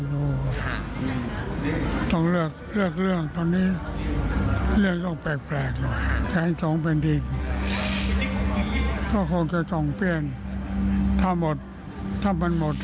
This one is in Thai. รู้สึกกภาพคุณอาตอนนี้เป็นยังไง